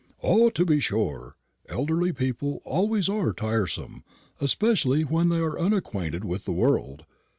"Ah, to be sure! elderly people always are tiresome, especially when they are unacquainted with the world.